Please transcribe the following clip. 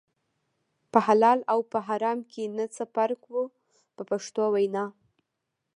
په حلال او په حرام کې نه څه فرق و په پښتو وینا.